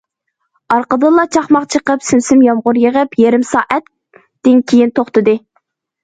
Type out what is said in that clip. ئارقىدىنلا چاقماق چېقىپ سىم- سىم يامغۇر يېغىپ، يېرىم سائەتتىن كېيىن توختىدى.